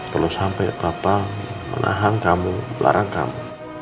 perlu sampai papa menahan kamu melarang kamu